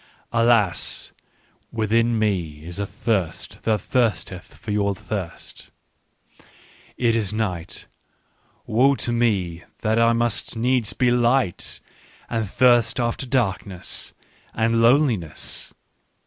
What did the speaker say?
" Alas, within me is a thirst that thirsteth for your thirst !" It is night : woe is me, that I must needs be light! And thirst after darkness! And loneliness